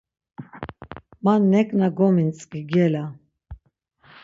Man neǩna gomintzǩi gela.